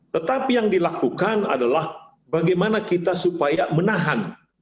tetapi yang dilakukan adalah bagaimana kita supaya menahan